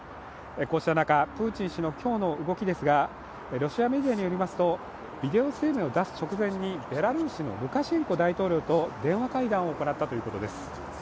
こうした中、プーチン氏の今日の動きですがロシアメディアによりますとビデオ声明を出す直前にベラルーシのルカシェンコ大統領と電話会談を行ったということです。